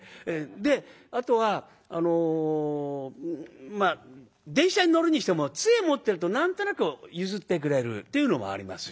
であとはあのまあ電車に乗るにしても杖持ってると何となく譲ってくれるっていうのもありますし。